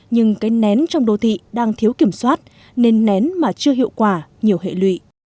nhưng cái nén trong đô thị đang thiếu kiểm soát nên nén mà chưa hiệu quả nhiều hệ lụy